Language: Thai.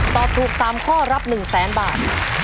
ตอบถูก๓ข้อรับ๑แสนบาท